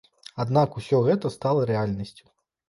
Аднак усё гэта стала рэальнасцю.